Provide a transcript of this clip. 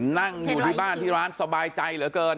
นั่งอยู่ที่บ้านที่ร้านสบายใจเหลือเกิน